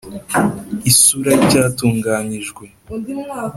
Isura y icyatunganyijwe